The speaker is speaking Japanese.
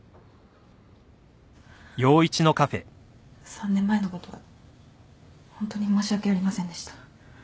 ３年前のことはホントに申し訳ありませんでした。